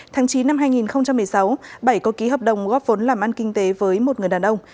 tháng chín năm hai nghìn một mươi sáu bảy có ký hợp đồng góp vốn làm ăn kinh tế với một người đàn ông